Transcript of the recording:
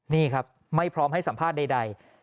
นี่ครับไม่พร้อมให้สัมภาษณ์ใด